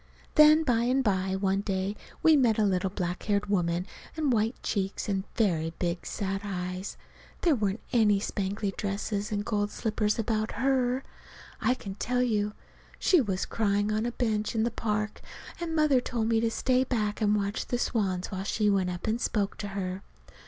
Then by and by, one day, we met a little black haired woman with white cheeks and very big sad eyes. There weren't any spangly dresses and gold slippers about her, I can tell you! She was crying on a bench in the park, and Mother told me to stay back and watch the swans while she went up and spoke to her.